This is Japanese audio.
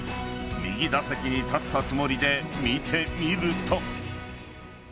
右打席に立ったつもりで見てみると。